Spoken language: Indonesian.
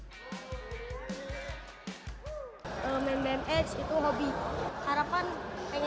bagaimana cara mempertahankan karakter yang terbaiknya